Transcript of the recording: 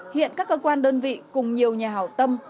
hiện các cơ quan đơn vị cùng nhiều nhà hảo tâm